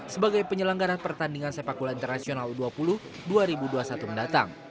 sebagai penyelenggaran pertandingan sepakula internasional dua ribu dua puluh dua ribu dua puluh satu mendatang